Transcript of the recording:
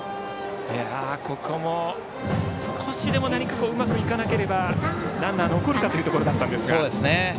ここも少しでも何かうまくいかなればランナー残るかというところだったんですが。